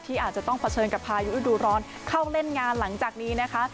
อาจจะต้องเผชิญกับพายุฤดูร้อนเข้าเล่นงานหลังจากนี้นะคะ